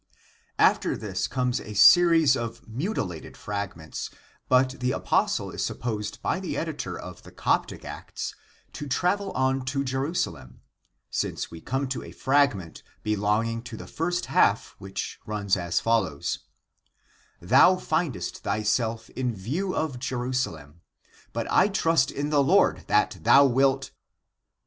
(After this comes a series of mutilated fragments, but the apostle is supposed by the editor of the Coptic Acts to travel on to Jerusalem, since we come to a fragment belong ing to the first half which runs as follows: "thou findest thyself in view of Jerusalem. But I trust in the Lord that thou wilt